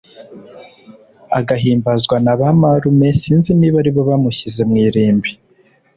agahimbazwa na ba marume sinzi niba ari bo bamushyize mw’irimbi